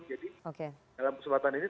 jadi dalam kesempatan ini